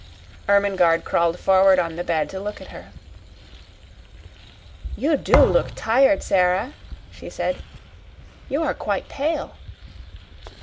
Ermengarde crawled forward on the bed to look at her. "You DO look tired, Sara," she said; "you are quite pale."